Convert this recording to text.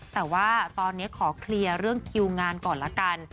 แต่ว่าตอนนี้ขอเคลียร์เรื่องคิวงานก่อนละกัน